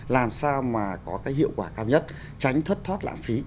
làm sao mà có cái hiệu quả cao nhất tránh thất thoát lãng phí